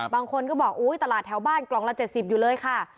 บางคนก็บอกอุ๊ยตลาดแถวบ้านกล่องละ๗๐อยู่เลยค่ะ